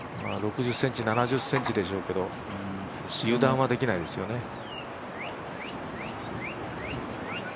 ６０ｃｍ、７０ｃｍでしょうけど油断はできないですよね。